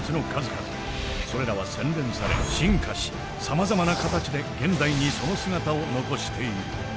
それらは洗練され進化しさまざまな形で現代にその姿を残している。